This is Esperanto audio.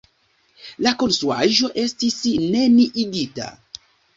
La konstruaĵo estis neniigita.